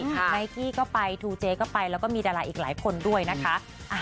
ไนกี้ก็ไปทูเจก็ไปแล้วก็มีดาราอีกหลายคนด้วยนะคะ